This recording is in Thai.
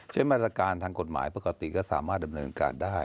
มาตรการทางกฎหมายปกติก็สามารถดำเนินการได้